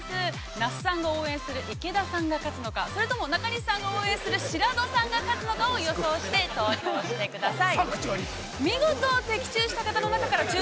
那須さんの応援する池田さんが勝つのか、それとも中西さんが勝つのか、白土さんが勝つのか予想して投票してください。